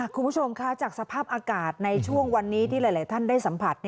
คุณผู้ชมคะจากสภาพอากาศในช่วงวันนี้ที่หลายท่านได้สัมผัส